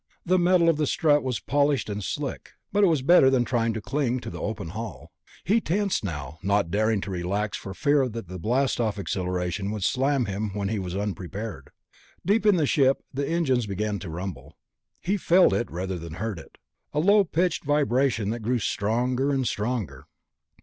The metal of the strut was polished and slick, but it was better than trying to cling to the open hull. He tensed now, not daring to relax for fear that the blastoff accelleration would slam him when he was unprepared. Deep in the ship, the engines began to rumble. He felt it rather than heard it, a low pitched vibration that grew stronger and stronger.